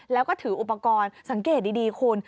แล้วก็ถืออุปกรณ์สังเกตดีคุณ